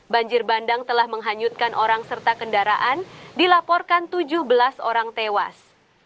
banjir bandang telah menghanyutkan orang serta kendaraan dilaporkan tujuh belas orang tewas